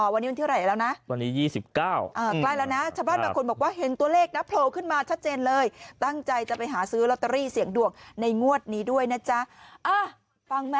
วันนี้มันที่ไหนแล้วนะ